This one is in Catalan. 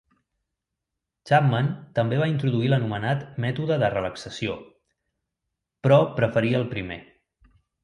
Chapman també va introduir l'anomenat "mètode de relaxació", però preferia el primer.